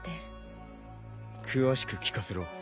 詳しく聞かせろ。